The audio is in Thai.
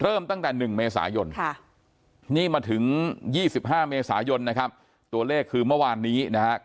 เริ่มตั้งแต่๑เมษายนนี่มาถึง๒๕เมษายนนะครับตัวเลขคือเมื่อวานนี้นะครับ